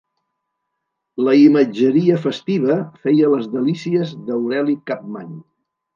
La imatgeria festiva feia les delícies d'Aureli Capmany.